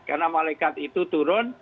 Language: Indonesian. karena malaikat itu turun